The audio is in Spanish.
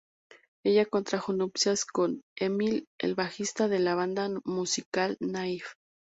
Ella contrajo nupcias con Emil, el bajista de la banda musical Naif.